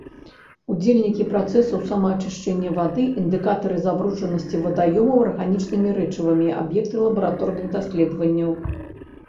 Удзельнікі працэсаў самаачышчэння вады, індыкатары забруджанасці вадаёмаў арганічнымі рэчывамі, аб'екты лабараторных даследаванняў.